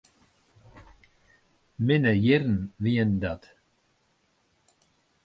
Minne jierren wienen dat.